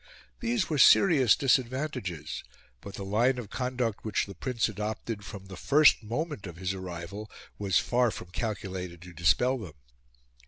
These were serious disadvantages; but the line of conduct which the Prince adopted from the first moment of his arrival was far from calculated to dispel them.